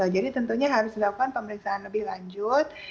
jadi tentunya harus dilakukan pemeriksaan lebih lanjut